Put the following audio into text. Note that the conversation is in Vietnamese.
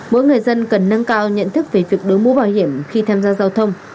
mỗi người dân cần nâng cao nhận thức về việc đối mũ bảo hiểm khi tham gia giao thông